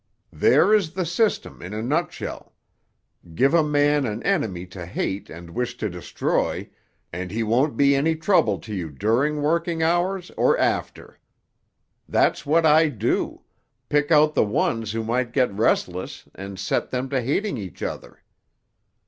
"There is the system in a nutshell—give a man an enemy to hate and wish to destroy, and he won't be any trouble to you during working hours or after. That's what I do—pick out the ones who might get restless and set them to hating each other.